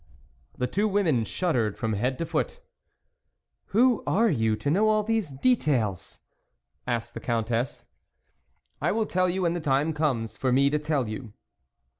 The two women shuddered from head to foot. " Who are you to know all these details ?" asked the Countess. " I will tell you when the time comes for me to tell you."